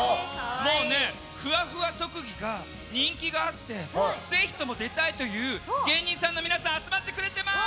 もうふわふわ特技が人気があってぜひとも出たいという芸人さんの皆さん集まってくれてます！